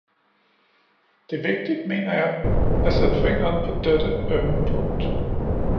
Det er vigtigt, mener jeg, at sætte fingeren på dette ømme punkt.